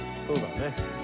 そうだね。